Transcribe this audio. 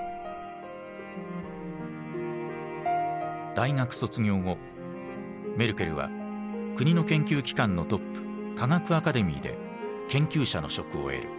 大学卒業後メルケルは国の研究機関のトップ科学アカデミーで研究者の職を得る。